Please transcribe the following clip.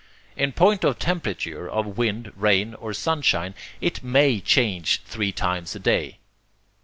In point of temperature, of wind, rain or sunshine, it MAY change three times a day.